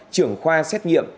trưởng khoa xét nghiệm